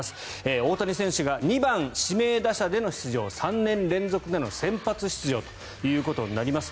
大谷選手が２番指名打者での出場３年連続での先発出場となります。